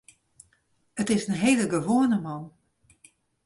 It is in hiele gewoane man.